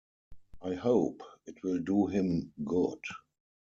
I hope it will do him good.